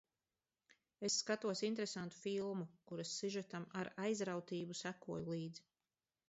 Es skatos interesantu filmu, kuras sižetam ar aizrautību sekoju līdzi.